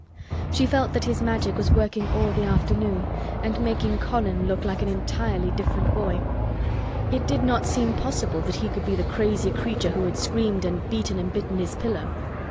She felt that his Magic was working all the afternoon and making Colin look like an entirely different boy. It did not seem possible that he could be the crazy creature who had screamed and beaten and bitten his pillow.